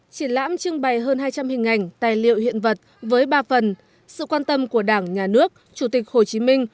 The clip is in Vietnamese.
triển lãm trưng bày hơn hai trăm linh hình ảnh tài liệu hiện vật với ba phần sự quan tâm của đảng nhà nước chủ tịch hồ chí minh